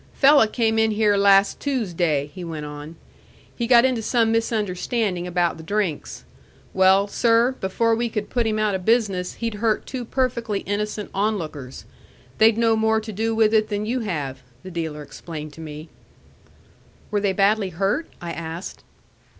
"Fello' came in here las' Toosday," he went on. "He got into some misunderstanding about the drinks. Well, sir, before we could put him out of business, he'd hurt two perfectly innocent onlookers. They'd no more to do with it than you have," the dealer explained to me. "Were they badly hurt?" I asked.